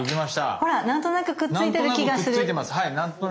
ほらなんとなくくっついてる気がする。